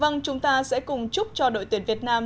vâng chúng ta sẽ cùng chúc cho đội tuyển việt nam